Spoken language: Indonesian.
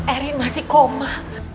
erik masih koma